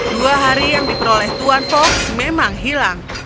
dua hari yang diperoleh tuan fox memang hilang